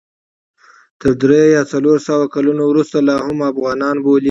تر درې یا څلور سوه کلونو وروسته لا هم افغانان بولي.